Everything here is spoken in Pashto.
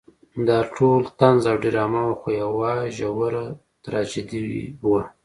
دا ټول طنز او ډرامه وه خو یوه ژوره تراژیدي وه.